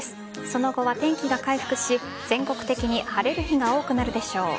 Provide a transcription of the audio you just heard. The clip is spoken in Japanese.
その後は天気が回復し全国的に晴れる日が多くなるでしょう。